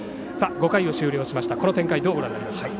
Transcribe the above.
５回を終了してこの展開どうご覧になりますか？